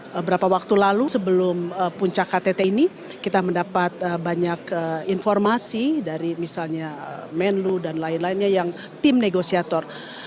beberapa waktu lalu sebelum puncak ktt ini kita mendapat banyak informasi dari misalnya menlu dan lain lainnya yang tim negosiator